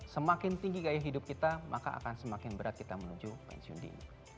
semakin tinggi gaya hidup kita maka akan semakin berat kita menuju pensiun di